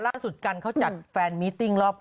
ล่าสุดกันเขาจัดแฟนมิติ่ง